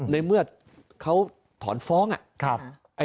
ในเมื่อเขาถอนฟ้องอ่ะ